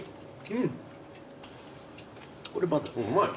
うんうまい。